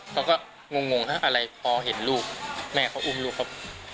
เขาก็งงถ้าอะไรพอเห็นลูกแม่เขาอุ้มลูกเขา